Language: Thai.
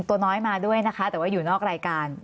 ตัวน้อยมาด้วยนะคะแต่ว่าอยู่นอกรายการ